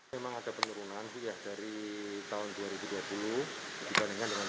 memang ada penurunan dari tahun dua ribu dua puluh dibandingkan dengan dua ribu dua puluh satu